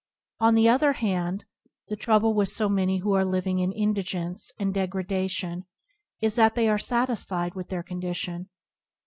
On the other hand, the trouble with so rtiany who are living in indigence and deg radation is that they are satisfied with their condition.